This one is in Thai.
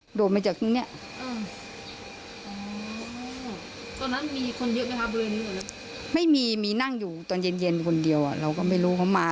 พวกเขาก็ถามว่าถนนไปทางไหนเราก็ชี้เข้าไปดูแค่นั้นนะ